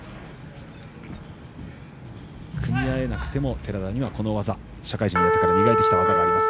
組み合えなくても寺田には、社会人になってから磨いてきた技があります。